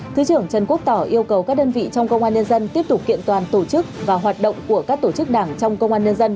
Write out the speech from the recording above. thứ trưởng trần quốc tỏ yêu cầu các đơn vị trong công an nhân dân tiếp tục kiện toàn tổ chức và hoạt động của các tổ chức đảng trong công an nhân dân